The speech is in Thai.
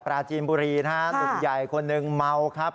ปลาจีนบุรีนสูงใหญ่คนนึงมาวครับ